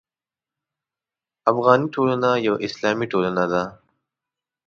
افغاني ټولنه یوه اسلامي ټولنه ده.